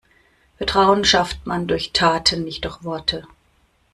Vertrauen schafft man durch Taten, nicht durch Worte.